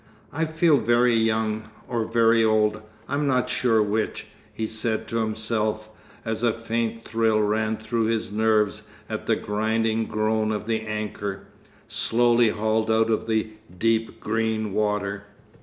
"I feel very young, or very old, I'm not sure which," he said to himself as a faint thrill ran through his nerves at the grinding groan of the anchor, slowly hauled out of the deep green water.